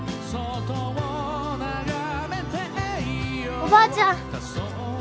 おばあちゃん！